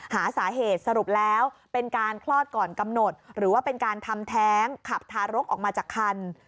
หาสาเหตุสรุปแล้วเป็นการคลอดก่อนกำหนดหรือว่าเป็นการทำแท้งขับทารกออกมาจากคัน